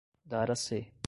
Dar a C